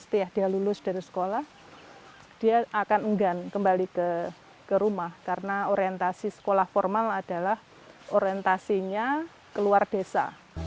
setelah dia lulus dari sekolah dia akan enggan kembali ke rumah karena orientasi sekolah formal adalah orientasinya keluar desa